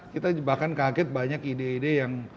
kita bahkan kaget banyak ide ide yang